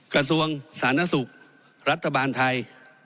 กระทรวงสาธารณสุขรัฐบาลไทย